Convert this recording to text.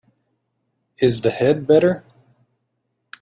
Is the head better?